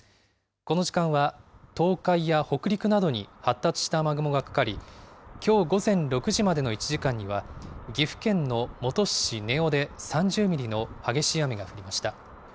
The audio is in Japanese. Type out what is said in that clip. この時間は東海や北陸などに発達した雨雲がかかり、きょう午前６時までの１時間には、岐阜県の本巣市根尾で３０ミリの激しい雨が降りました。